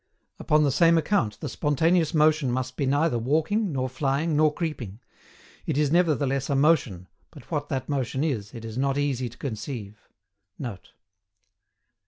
Upon the same account the spontaneous motion must be neither walking, nor flying, nor creeping; it is nevertheless a motion, but what that motion is it is not easy to conceive[Note.